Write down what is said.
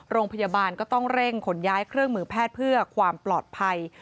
โรงพยาบาลก็ต้องเร่งขนย้ายเครื่องมือแพทย์เพื่อความปลอดภัย